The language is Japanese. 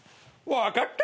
「分かった！」